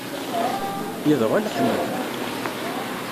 Yedɣel Ḥmed.